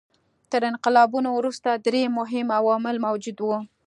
تر انقلابونو وروسته درې مهم عوامل موجود وو.